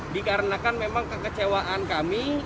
dikarenakan memang kekecewaan kami